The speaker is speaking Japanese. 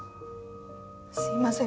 すいません。